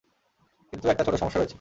কিন্তু একটা ছোট সমস্যা রয়েছে।